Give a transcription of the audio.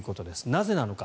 なぜなのか。